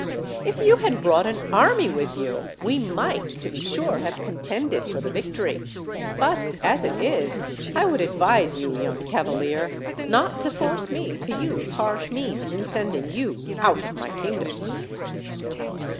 If you had brought an army with you, we might, to be sure, have contended for the victory; but as it is, 1 would advise you, young cavalier, not to force me to use harsh means in sending you out of my kingdom."